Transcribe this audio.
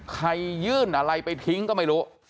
ยื่นอะไรไปทิ้งก็ไม่รู้